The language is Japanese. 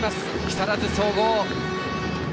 木更津総合。